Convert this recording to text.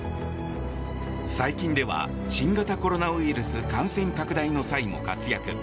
最近では、新型コロナウイルス感染拡大の際も活躍。